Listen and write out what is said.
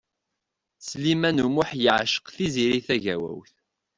Sliman U Muḥ yewceq Tiziri Tagawawt.